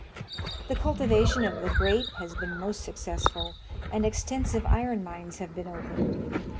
The cultivation of the grape has been most successful, and extensive iron mines have been opened.